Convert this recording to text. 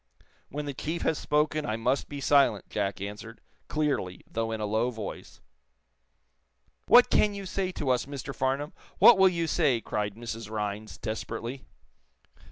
"When the chief has spoken I must be silent," Jack answered, clearly, though in a low voice. "What can you say to us, Mr. Farnum? What will you say?" cried Mrs. Rhinds, desperately.